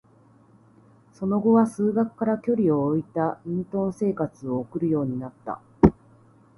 その後は、数学から距離を置いた隠遁生活を送るようになった。